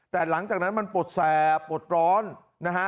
แต่หลังจากนั้นมันปวดแสบปวดร้อนนะฮะ